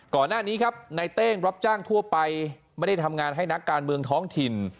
ก่อนหน้านี้ครับในเต้งรับจ้างทั่วไปไม่ได้ทำงานให้นักการเมืองท้องถิ่น